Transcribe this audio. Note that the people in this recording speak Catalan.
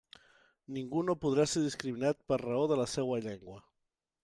Ningú no podrà ser discriminat per raó de la seua llengua.